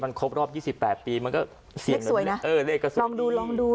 ครบรอบยี่สิบแปดปีมันก็เสียงสวยนะเออเลขสวยลองดูลองดู